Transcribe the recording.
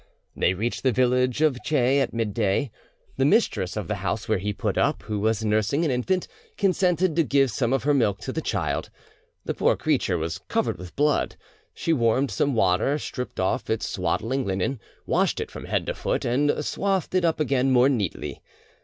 They reached the village of Che at midday. The mistress of the house where he put up, who was nursing an infant, consented to give some of her milk to the child. The poor creature was covered with blood; she warmed some water, stripped off its swaddling linen, washed it from head to foot, and swathed it up again more neatly.